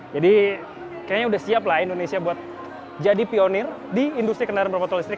jadi kayaknya udah siap lah indonesia buat jadi pionir di industri kendaraan bermotor listrik